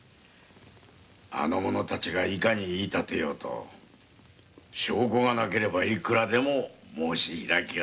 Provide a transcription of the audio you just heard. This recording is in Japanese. あの者たちがいかに言いたてようと証拠がなければいくらでも申し開きはできる。